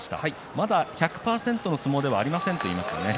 まだ１００％の相撲ではありませんと言いました。